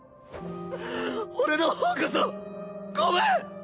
俺の方こそごめん！